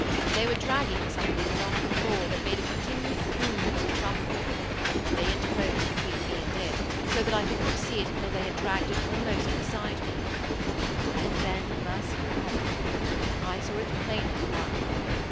They were dragging something along the floor that made a continued boom and rumble, but they interposed between me and it, so that I could not see it until they had dragged it almost beside me; and then, merciful heaven! I saw it plainly enough.